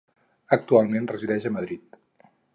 Actualment resideix a Madrid.